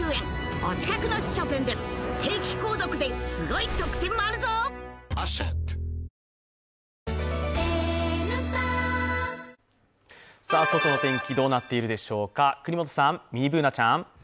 いいじゃないだってさあ、外の天気どうなってるでしょうか國本さん、ミニＢｏｏｎａちゃん。